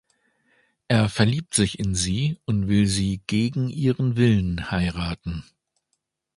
Er verliebt sich in sie und will sie gegen ihren Willen heiraten.